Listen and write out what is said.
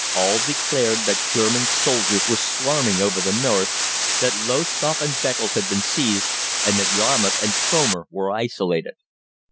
All declared that German soldiers were swarming over the north, that Lowestoft and Beccles had been seized, and that Yarmouth and Cromer were isolated.